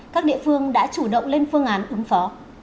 các địa phương đã chủ động lên phương án ứng phó